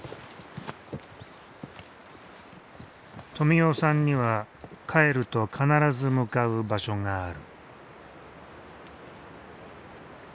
富男さんには帰ると必ず向かう場所がある。